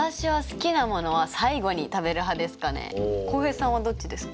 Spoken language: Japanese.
浩平さんはどっちですか？